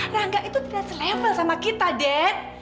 rangga itu tidak selevel sama kita dek